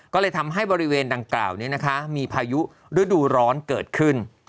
ก็เลยทำให้บริเวณดังกล่าวนี้นะคะมีพายุฤดูร้อนเกิดขึ้น